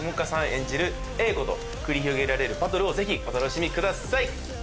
演じる英子と繰り広げられるバトルをぜひお楽しみください。